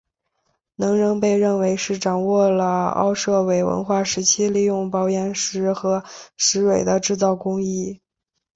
能人被认为是掌握了奥杜韦文化时期利用薄岩片和石芯的制造工艺。